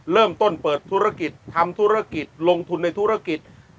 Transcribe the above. เริ่มต้นเปิดธุรกิจทำธุรกิจลงทุนในธุรกิจ